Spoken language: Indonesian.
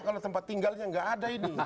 kalau tempat tinggalnya nggak ada ini